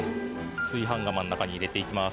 炊飯釜の中に入れて行きます